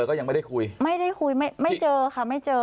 ก็ยังไม่ได้คุยไม่ได้คุยไม่ไม่เจอค่ะไม่เจอ